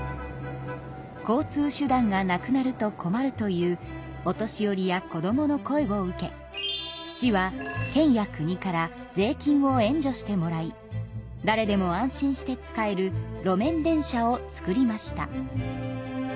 交通手段がなくなると困るというお年寄りや子どもの声を受け市は県や国から税金を援助してもらいだれでも安心して使える路面電車を作りました。